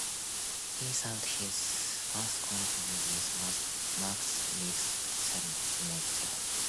He served his first consulship with Marcus Livius Salinator.